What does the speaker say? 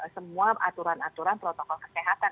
semua aturan aturan protokol kesehatan